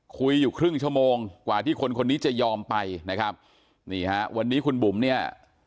คุยอยู่ครึ่งชั่วโมงกว่าที่คนคนนี้จะยอมไปนะครับนี่ฮะวันนี้คุณบุ๋มเนี่ย